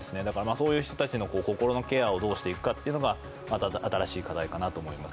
そういう人たちの心のケアをどうしていくかということが新しい課題かなと思います。